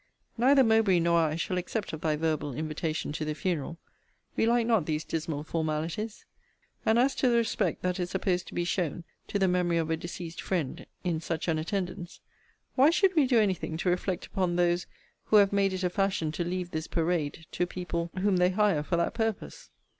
Neither Mowbray nor I shall accept of thy verbal invitation to the funeral. We like not these dismal formalities. And as to the respect that is supposed to be shown to the memory of a deceased friend in such an attendance, why should we do any thing to reflect upon those who have made it a fashion to leave this parade to people whom they hire for that purpose?